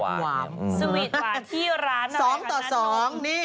สวีตหวานที่ร้านอะไรค่ะน้ำนม